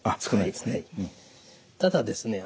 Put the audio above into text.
ただですね